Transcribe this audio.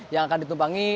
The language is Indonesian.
yang akan ditumpangi